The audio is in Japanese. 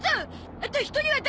あと１人は誰？